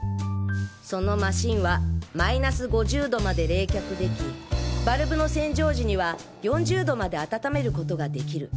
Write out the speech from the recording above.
そのマシンはマイナス５０度まで冷却できバルブの洗浄時には４０度まで温めることができる。